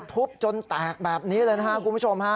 ทุบจนแตกแบบนี้เลยนะครับคุณผู้ชมฮะ